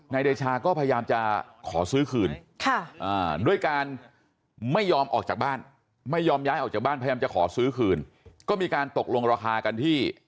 เดชาก็พยายามจะขอซื้อคืนด้วยการไม่ยอมออกจากบ้านไม่ยอมย้ายออกจากบ้านพยายามจะขอซื้อคืนก็มีการตกลงราคากันที่